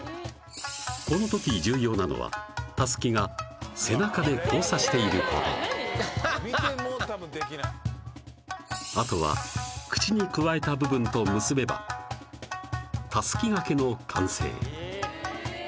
このとき重要なのはたすきが背中で交差していること見ても多分できないあとは口にくわえた部分と結べばたすき掛けの完成ええー？